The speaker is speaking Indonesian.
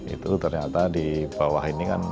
itu ternyata di bawah ini kan